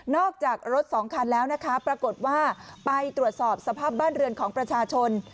จากรถสองคันแล้วนะคะปรากฏว่าไปตรวจสอบสภาพบ้านเรือนของประชาชน